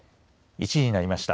１時になりました。